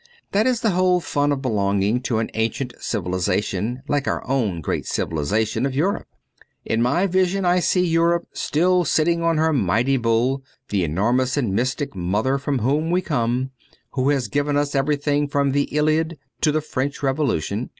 That is the whole fun of belonging to an ancient civilization like our own great civilization of Europe. In my vision I see Europe still sitting on her mighty bull, the enormous and mystic mother from whom we come, who has given us everything from the ' Iliad ' to the French Revolution.